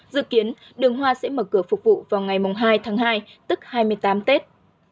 dự kiến đường hoa sẽ mở cửa phục vụ vào ngày hai tháng hai tức hai mươi tám tết